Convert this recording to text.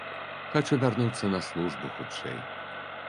Хачу вярнуцца на службу хутчэй.